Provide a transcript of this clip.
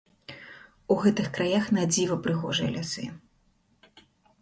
У гэтых краях надзіва прыгожыя лясы!